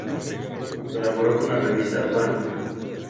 Colaboró con la revista "Bang!